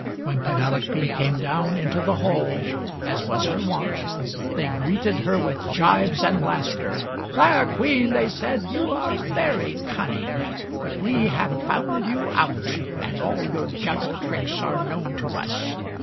When Penel ope came down into the hall, as was her wont, they greeted her with jibes and laughter. "Fair queen," they said, "you are very cun ning; but we have found you out, and all your gentle tricks are known to us.